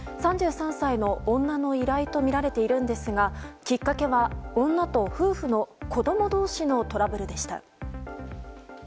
３３歳の女の依頼とみられているんですがきっかけは女と夫婦の子供同士のトラブルでした。